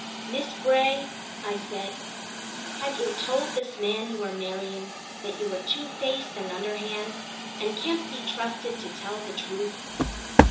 "Miss Bray," I said, "have you told this man you are marrying that you are two faced and underhand, and can't be trusted to tell the truth?